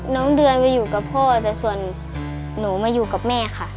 เดือนไปอยู่กับพ่อแต่ส่วนหนูมาอยู่กับแม่ค่ะ